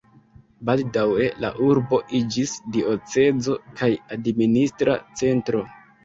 Baldaŭe la urbo iĝis diocezo kaj administra centro.